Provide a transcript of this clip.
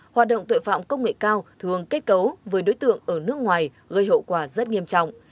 hoạt động tội phạm công nghệ cao thường kết cấu với đối tượng ở nước ngoài gây hậu quả rất nghiêm trọng